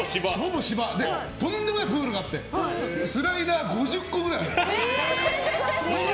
でもとんでもないプールがあってスライダー５０個ぐらいあるの。